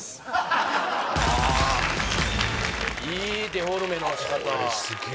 デフォルメの仕方